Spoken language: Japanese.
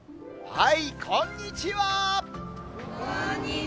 はい、こんにちは。